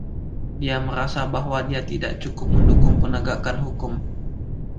Dia merasa bahwa dia tidak cukup mendukung penegakan hukum.